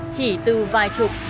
chỉ từ vài chục